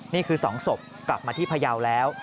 นี่คือ๒ศพกลับมาที่พยาวแล้ว